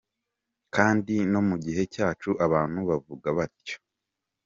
Kandi no mu gihe cyacu abantu bavuga batyo.